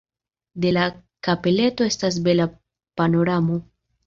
De la kapeleto estas bela panoramo.